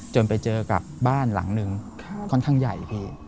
ไปเจอกับบ้านหลังหนึ่งค่อนข้างใหญ่พี่